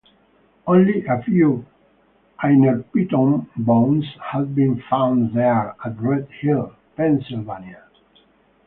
Only a few "Hynerpeton" bones have been found there at Red Hill, Pennsylvania.